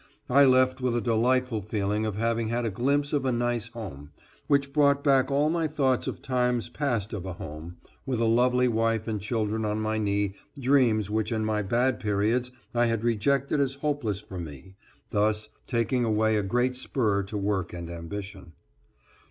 I left with a delightful feeling of having had a glimpse of a nice home, which brought back all my thoughts of times past of a home, with a lovely wife and children on my knee, dreams which in my bad periods I had rejected as hopeless for me, thus taking away a great spur to work and ambition.